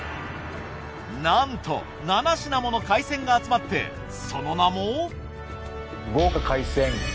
なんと７品もの海鮮が集まってその名も。